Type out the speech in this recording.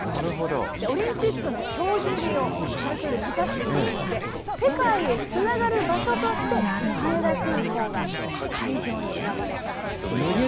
オリンピックの競技入りをパルクール、目指していますので、世界へつながる場所として、羽田空港が会場に選ばれたということで。